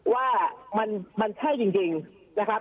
ว่ามันใช่จริงนะครับ